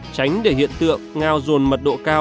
tránh để hiện tượng ngao dồn mật độ cao